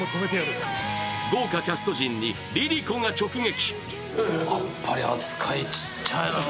豪華キャスト陣にＬｉＬｉＣｏが直撃。